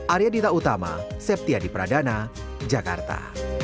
arya dita utama septiadi pradana jakarta